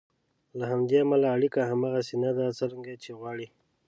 له همدې امله اړیکه هغسې نه ده څرنګه چې یې غواړئ.